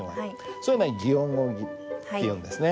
そういうのは擬音語っていうんですね。